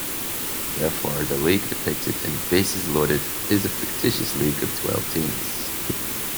Therefore, the league depicted in "Bases Loaded" is a fictitious league of twelve teams.